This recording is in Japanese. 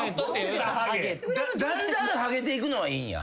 だんだんハゲていくのはいいんや？